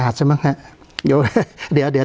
การแสดงความคิดเห็น